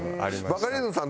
バカリズムさん